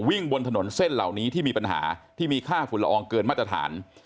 บนถนนเส้นเหล่านี้ที่มีปัญหาที่มีค่าฝุ่นละอองเกินมาตรฐาน